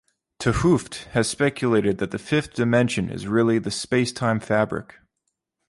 'T Hooft has speculated that the fifth dimension is really the "spacetime fabric".